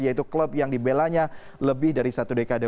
yaitu klub yang dibelanya lebih dari satu dekade